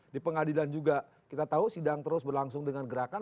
di pengadilan juga kita tahu sidang terus berlangsung dengan gerakan